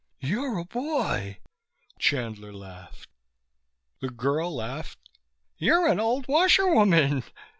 "You're a boy!" Chandler laughed. The girl laughed: "You're an old washerwoman!"